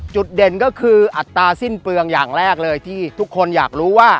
จุดเด่นก็คืออัตราสิ้นเปลืองอย่างแรกเลยที่ทุกคนอยากรู้ว่า